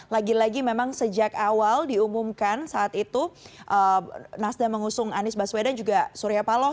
lagi lagi memang sejak awal diumumkan saat itu nasdem mengusung anies baswedan juga surya paloh